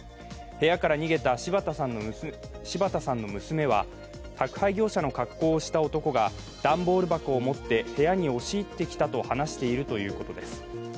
部屋から逃げた柴田さんの娘は、宅配業者の格好をした男が段ボール箱を持って部屋に押し入ってきたと話しているということです。